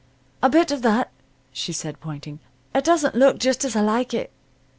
"A bit of that," she said, pointing. "It doesn't look just as I like it."